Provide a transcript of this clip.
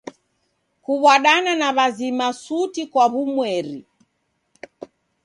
Kuw'adana na w'azima suti kwa w'umweri.